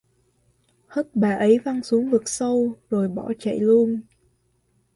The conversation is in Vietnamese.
Hất bà ấy văng xuống vực sâu rồi bỏ chạy luôn